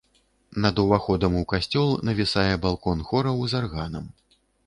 Над уваходам у касцёл навісае балкон хораў з арганам.